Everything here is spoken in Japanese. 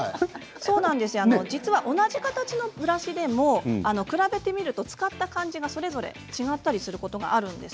同じ形のブラシでも比べてみると使った感じがそれぞれ違ったりすることがあるんです。